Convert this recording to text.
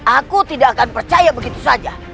aku tidak akan percaya begitu saja